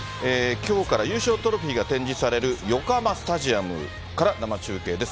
きょうから優勝トロフィーが展示される横浜スタジアムから生中継です。